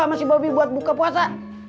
ngasih babi buat buka puasa